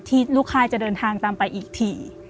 ลูกค่ายจะเดินทางตามไปอีกที